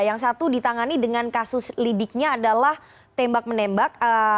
yang satu ditangani dengan kasus lidiknya adalah tembak menembak